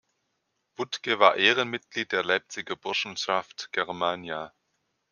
Wuttke war Ehrenmitglied der Leipziger Burschenschaft Germania.